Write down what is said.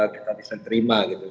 kita bisa terima